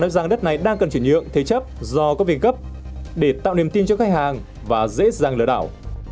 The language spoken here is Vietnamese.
giấy tờ này đang cần chuyển nhượng thế chấp do các viên cấp để tạo niềm tin cho khách hàng và dễ dàng lỡ đảo